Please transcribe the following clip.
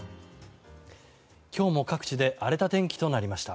今日も各地で荒れた天気となりました。